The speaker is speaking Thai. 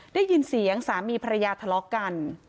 ได้ยินเสียงสามีภรรยาทะเลาะกัน